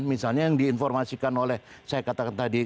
misalnya yang diinformasikan oleh saya katakan tadi